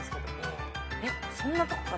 えっそんなとこ。